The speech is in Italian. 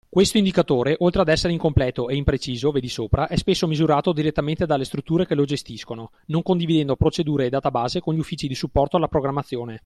Questo indicatore oltre ad essere incompleto e impreciso (vedi sopra), è spesso misurato direttamente dalle strutture che lo gestiscono, non condividendo procedure e database con gli uffici di supporto alla programmazione.